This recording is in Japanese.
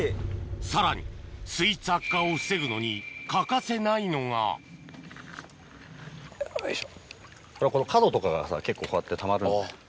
さらに水質悪化を防ぐのに欠かせないのがこの角とかがさ結構こうやってたまる。